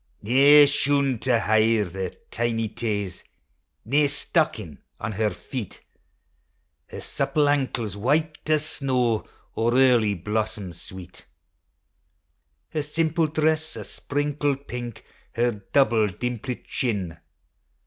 Nae shoon to hide her tiny taes, Nae stockin' on her feet ; Her supple ankles white as snaw, Or early blossoms sweet. Her simple dress o? sprinkled pink, Her double, dimplit chin.